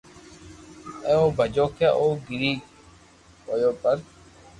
ايوہ ڀجيو ڪي او گري ھيو پر